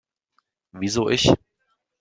Wieso ich?